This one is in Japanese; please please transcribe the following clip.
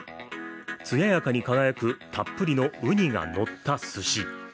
つややかに輝くたっぷりのウニがのったすし。